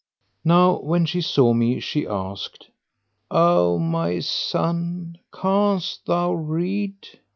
Now when she saw me she asked, "O my son! canst thou read?"